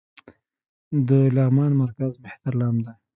د لغمان مرکز مهترلام دى